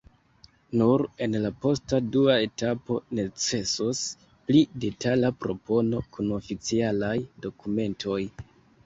Nur en la posta dua etapo necesos pli detala propono kun oficialaj dokumentoj.